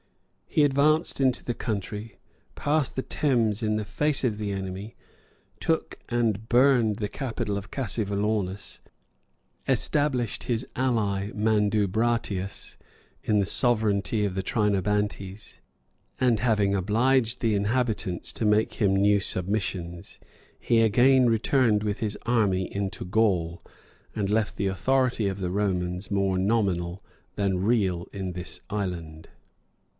He advanced into the country; passed the Thames in the face of the enemy; took and burned the capital of Cassivelaunus; established his ally, Mandubratius, in the sovereignty of the Trinobantes; and having obliged the inhabitants to make him new submissions, he again returned with his army into Gaul, and left the authority of the Romans more nominal than real in this island.